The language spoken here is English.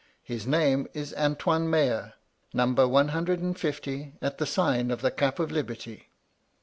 His name is Antoine Meyer, Number One hundred and Fifty, at the sign of the Cap of Liberty.'